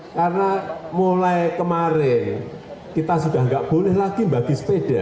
karena mulai kemarin kita sudah tidak boleh lagi bagi sepeda